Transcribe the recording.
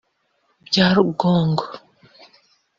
by a rugongo